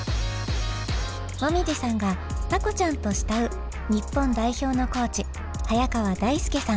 もみじさんがタコちゃんと慕う日本代表のコーチ早川大輔さん。